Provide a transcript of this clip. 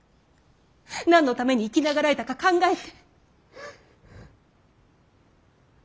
何のために生き長らえたか考えて。